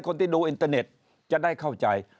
คนที่ดูอินเตอร์เน็ตจะได้เข้าใจ